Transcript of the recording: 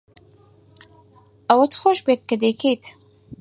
ئەوەت خۆش بوێت کە دەیکەیت.